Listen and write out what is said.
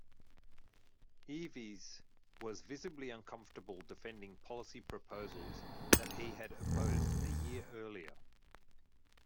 Eves was visibly uncomfortable defending policy proposals that he had opposed a year earlier.